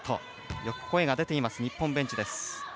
よく声が出ている、日本ベンチ。